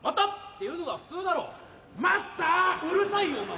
うるさいよお前。